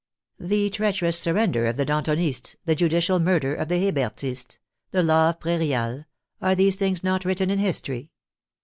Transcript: The treacherous surrender of the Dantonists, the judicial murder of the Hebertists, the law of Prairial, are these things not written in history?